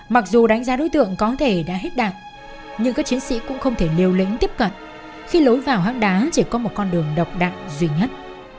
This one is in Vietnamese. mặc dù đánh giá đối tượng có thể đã hết đạn nhưng các chiến sĩ cũng không thể liêu lĩnh tiếp cận khi lối vào hang đá chỉ có một con đường độc đạn duy nhất